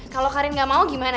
kalau karin gak mau gimana